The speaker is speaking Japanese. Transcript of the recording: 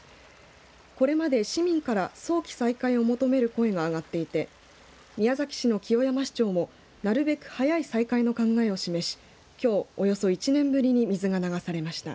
これまで市民から早期再開を求める声が上がっていて宮崎市の清山市長もなるべく早い再開の考えを示しきょう、およそ１年ぶりに水が流されました。